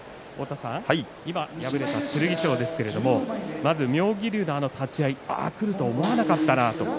敗れた剣翔ですが妙義龍の立ち合い、ああくると思わなかったなと。